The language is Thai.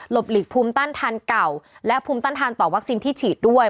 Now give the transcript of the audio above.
หลีกภูมิต้านทานเก่าและภูมิต้านทานต่อวัคซีนที่ฉีดด้วย